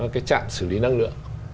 cái trạm xử lý năng lượng